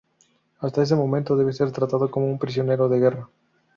Hasta ese momento, debe ser tratado como un prisionero de guerra.